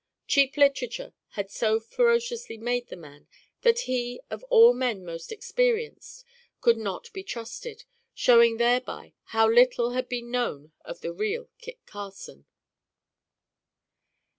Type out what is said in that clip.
Cheap literature had so ferociously made the man, that he, of all men most experienced, could not be trusted, showing thereby how little had been known of the real Kit Carson.